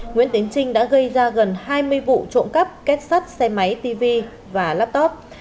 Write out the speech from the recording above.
nguyễn tiến trinh đã gây ra gần hai mươi vụ trộm cắp kết sắt xe máy tv và laptop